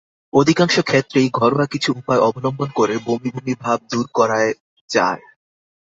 অধিকাংশ ক্ষেত্রেই ঘরোয়া কিছু উপায় অবলম্বন করে বমি বমি ভাব দূর করার যায়।